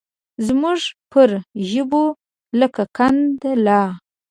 زموږ پر ژبو لکه قند لا